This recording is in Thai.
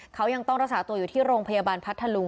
เขายังต้องรักษาตัวอยู่ที่โรงพยาบาลพัทธลุง